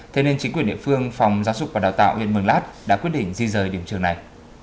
thế nên chính quyền địa phương phòng giáo dục và đào tạo huyện mường lát đã quyết định di rời điểm trường này